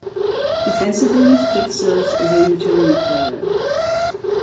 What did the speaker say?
Defensively, Fick serves as a utility player.